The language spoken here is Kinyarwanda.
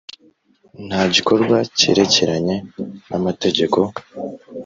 nta gikorwa cyerekeranye n amategeko